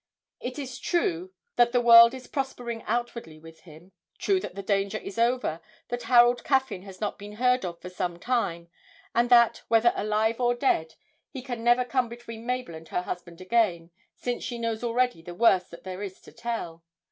It is true that the world is prospering outwardly with him, true that the danger is over, that Harold Caffyn has not been heard of for some time, and that, whether alive or dead, he can never come between Mabel and her husband again, since she knows already the worst that there is to tell.